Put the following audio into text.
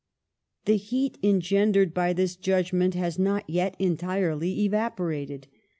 The heat engendered by this judgment has not yet entirely evaporated.